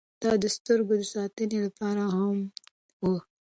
دا د سترګو د ساتنې لپاره هم و.